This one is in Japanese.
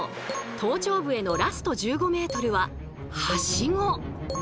頭頂部へのラスト１５ｍはハシゴ！